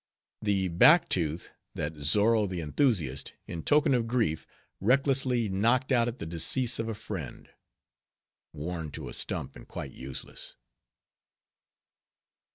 The back Tooth, that Zozo the Enthusiast, in token of grief, recklessly knocked out at the decease of a friend. (Worn to a stump and quite useless).